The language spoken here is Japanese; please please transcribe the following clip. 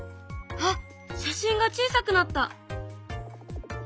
あっ写真が小さくなった。